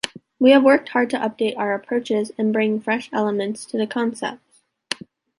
We have worked hard to update our approaches and bring fresh elements to the concepts.